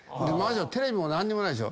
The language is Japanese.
テレビも何にもないでしょ。